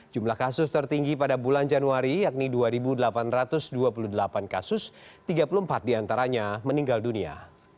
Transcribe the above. jumlah kasus tertinggi pada bulan januari yakni dua delapan ratus dua puluh delapan kasus tiga puluh empat diantaranya meninggal dunia